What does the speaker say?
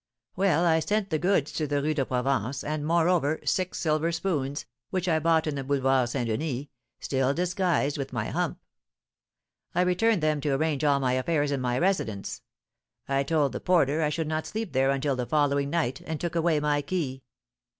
Well, I sent the goods to the Rue de Provence, and, moreover, six silver spoons, which I bought in the Boulevard St. Denis, still disguised with my hump. I returned then to arrange all my affairs in my residence. I told the porter I should not sleep there until the following night, and took away my key.